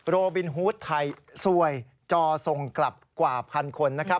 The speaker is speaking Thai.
โรบินฮูตไทยสวยจอส่งกลับกว่าพันคนนะครับ